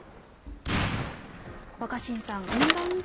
若新さんインバウンド